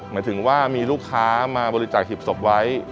หมายถึงว่ามีลูกค้ามาบริจาคหีบศพไว้